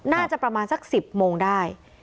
น่าจะประมาณสัก๑๐โมงได้